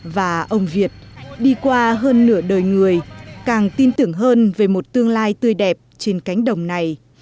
và ông việt đi qua hơn nửa đời người càng tin tưởng hơn về một tương lai tươi đẹp trên cánh đồng này